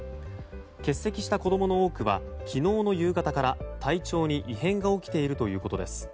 欠席した子供の多くは昨日の夕方から体調に異変が起きているということです。